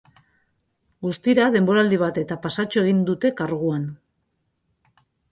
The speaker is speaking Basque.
Guztira, denboraldi bat eta pasatxo egin duten karguan.